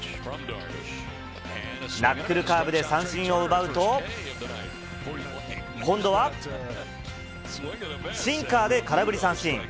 ナックルカーブで三振を奪うと、今度は、シンカーで空振り三振。